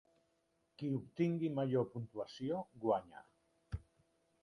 Qui obtingui major puntuació guanya.